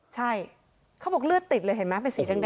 ใช่เขาบอกเลือดติดเลยเห็นไหมเป็นสีแดง